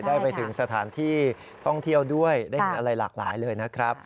ได้ไปถึงสถานที่ท่องเที่ยวด้วยได้อะไรหลากหลายเลยนะครับ